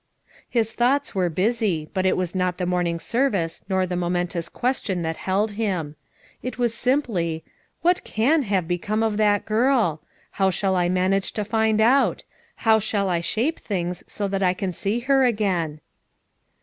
His thoughts were busy, but it was not the morning service nor the momentous question that bold them. It was simply "What can have become of that girl? How shall I man age to find out? How shall I shape things so that I can see her again?